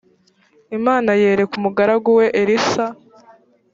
imana yereka umugaragu wa elisa